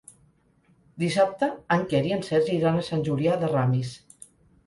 Dissabte en Quer i en Sergi iran a Sant Julià de Ramis.